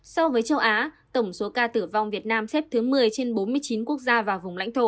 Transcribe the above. so với châu á tổng số ca tử vong ở việt nam xếp thứ ba mươi ba trên hai trăm hai mươi ba quốc gia và vùng lãnh thổ